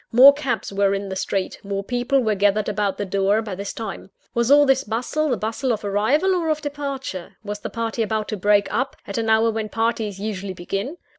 More cabs were in the street; more people were gathered about the door, by this time. Was all this bustle, the bustle of arrival or of departure? Was the party about to break up, at an hour when parties usually begin?